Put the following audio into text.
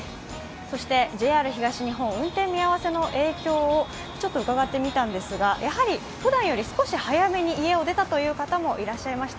そしてＪＲ東日本、運転見合わせの影響を伺ってみたんですがやはりふだんより少し早めに家を出たという方もいらっしゃいました。